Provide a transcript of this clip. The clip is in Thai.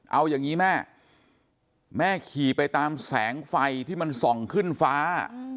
เอาอย่างนี้แม่แม่ขี่ไปตามแสงไฟที่มันส่องขึ้นฟ้า